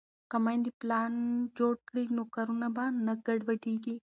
که میندې پلان جوړ کړي نو کارونه به نه ګډوډېږي.